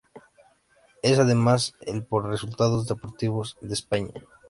Es además el por resultados deportivos de España.